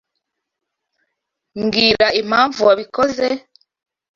Mbwira impamvu wabikoze?